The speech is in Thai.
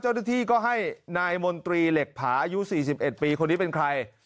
เจ้าหน้าที่ก็ให้นายมนตรีเหล็กผาอายุ๔๑ปีคนนี้เป็นใคร